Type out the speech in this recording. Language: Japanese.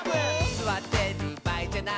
「すわってるばあいじゃない」